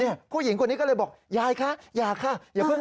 นี่ผู้หญิงคนนี้ก็เลยบอกยายคะอย่าเพิ่ง